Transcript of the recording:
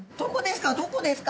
どこですか？